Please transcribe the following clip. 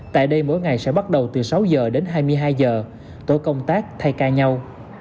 tại đây mỗi ngày sẽ bắt đầu từ sáu giờ đến hai mươi hai giờ tổ công tác thay ca nhau